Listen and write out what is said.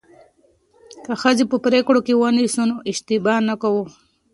که ښځې په پریکړو کې ونیسو نو اشتباه نه کوو.